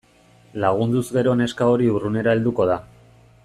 Lagunduz gero neska hori urrunera helduko da.